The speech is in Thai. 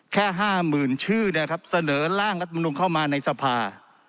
แค่ห้ามื่นชื่อเนี่ยครับเสนอร่างรัฐมนูลเข้ามาในสภา